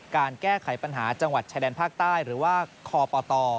การแก้ไขปัญหาจังหวัดชายแดนภาคใต้หรือว่าคปต